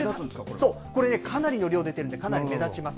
これ、かなりの量出てるんで、かなり目立ちます。